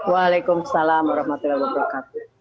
waalaikumsalam warahmatullahi wabarakatuh